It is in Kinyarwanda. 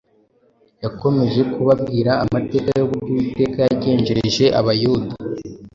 Yakomeje kubabwira amateka y’uburyo Uwiteka yagenjereje Abayuda